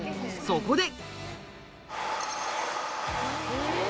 そこで。